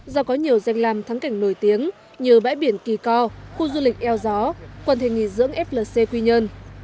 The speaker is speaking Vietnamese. do có nhiều danh làm thắng cảnh nổi tiếng như bãi biển kỳ co khu du lịch eo gió quần thể nghỉ dưỡng flc quy nhơn